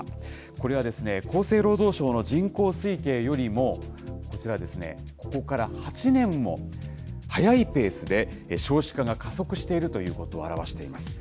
これは、厚生労働省の人口推計よりもこちら、ここから８年も早いペースで、少子化が加速しているということを表しています。